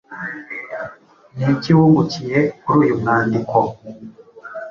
Ni iki wungukiye kuri uyu mwandiko?